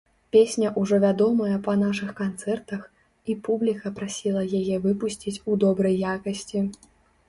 Песня ўжо вядомая па нашых канцэртах, і публіка прасіла яе выпусціць у добрай якасці.